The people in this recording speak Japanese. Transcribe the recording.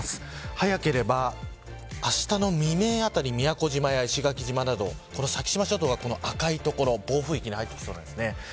早ければ、あしたの未明あたりに宮古島や石垣島など先島諸島の赤い所暴風域に入りそうです。